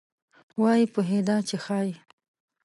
وایي پوهېده چې ښایي.